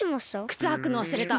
くつはくのわすれた。